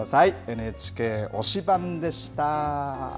ＮＨＫ推しバン！でした。